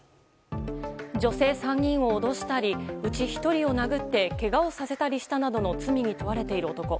女性３人を脅したりうち１人を殴ってけがをさせたなどの罪に問われている男。